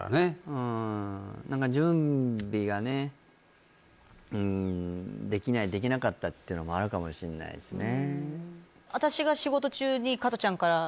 うん何か準備がねうんできないできなかったっていうのもあるかもしんないすね